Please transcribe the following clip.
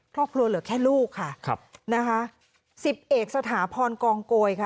เหลือแค่ลูกค่ะครับนะคะสิบเอกสถาพรกองโกยค่ะ